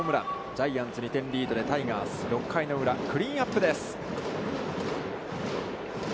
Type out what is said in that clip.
ジャイアンツ、２点リードでタイガース６回裏、クリーンナップです。